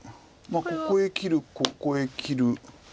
ここへ切るここへ切る。